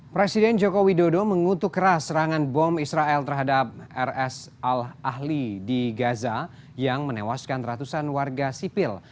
presiden joko widodo mengutuk keras serangan bom israel terhadap rs al ahli di gaza yang menewaskan ratusan warga sipil